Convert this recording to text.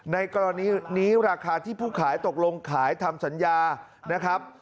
ในกรณีนี้ราคาที่ผู้ขายตกลงขายทำสัญญานะครับ